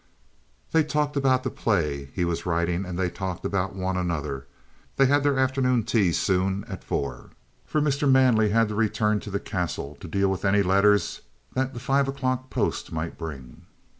They talked about the play he was writing, and then they talked about one another. They had their afternoon tea soon after four, for Mr. Manley had to return to the Castle to deal with any letters that the five o'clock post might bring.